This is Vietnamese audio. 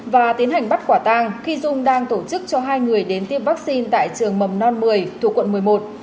và tiến hành bắt khỏa tàng khi dung đang tổ chức cho hai người đến tiêm vaccine tại trường mầm non một mươi thủ quận một mươi một